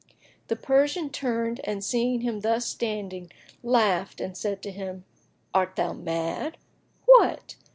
The Persian turned and seeing him thus standing laughed and said to him, "Art thou mad? What!